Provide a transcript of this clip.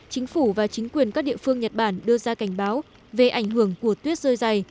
chính phủ và chính quyền các địa phương nhật bản đưa ra cảnh báo về ảnh hưởng của tuyết rơi dày